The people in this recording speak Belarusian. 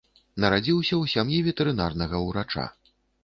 Нарадзіўся ў сям'і ветэрынарнага ўрача.